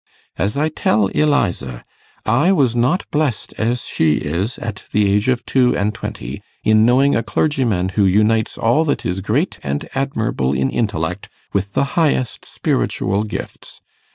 As I tell Eliza I was not blest as she is at the age of two and twenty, in knowing a clergyman who unites all that is great and admirable in intellect with the highest spiritual gifts.